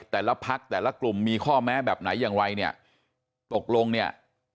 แต่ละพักแต่ละกลุ่มมีข้อแม้แบบไหนอย่างไรเนี่ยตกลงเนี่ย